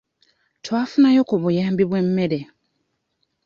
Twafunayo ku buyambi bw'emmere.